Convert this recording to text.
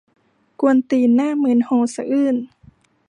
กวนตีน หน้ามึน โฮสะอื้น